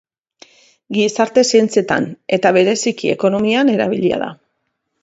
Gizarte zientzietan, eta bereziki ekonomian, erabili da.